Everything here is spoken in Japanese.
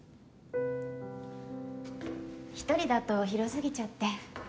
一人だと広すぎちゃって